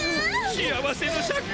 幸せのシャク！